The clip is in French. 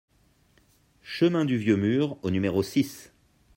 Chemin du Vieux Mur au numéro six